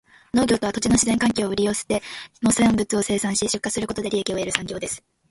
農業とは、土地の自然環境を利用して農産物を生産し、出荷することで利益を得る産業です。